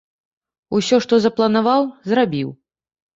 Усё, што запланаваў, зрабіў.